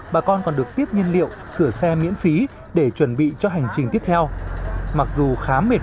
bà con còn được tiếp nhiên liệu sửa xe miễn phí để chuẩn bị cho hành trình tiếp theo mặc dù khá mệt